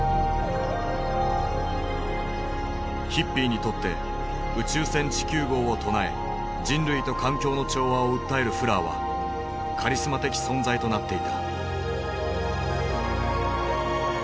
ヒッピーにとって「宇宙船地球号」を唱え人類と環境の調和を訴えるフラーはカリスマ的存在となっていた。